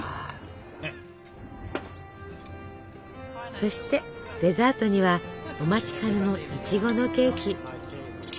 そしてデザートにはお待ちかねのいちごのケーキ。